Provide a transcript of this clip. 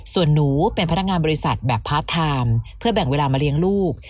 ส่วนหนูเป็นพนักงานบริษัทแบบพาร์ทไทม์เพื่อแบ่งเวลามาเลี้ยงลูก